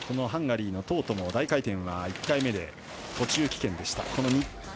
ハンガリーのトートも大回転は１回目で途中棄権でした。